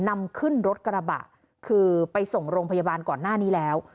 นำขึ้นรถกระบะคือไปส่งโรงพยาบาลก่อนหน้านี้แล้ว